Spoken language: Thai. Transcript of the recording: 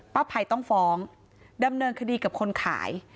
ภัยต้องฟ้องดำเนินคดีกับคนขาย